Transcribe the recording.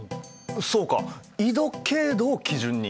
そうか緯度経度を基準に。